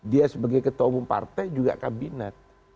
dia sebagai ketua umum partai juga kabinet